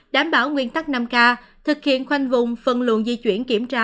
đảm bảo nguyên tắc năm k thực hiện khoanh vùng phần luận di chuyển kiểm tra